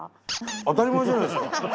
当たり前じゃないですか！